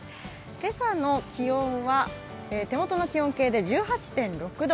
今朝の気温は手元の気温計で１８．６度。